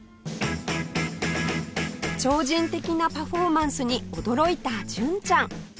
超人的なパフォーマンスに驚いた純ちゃん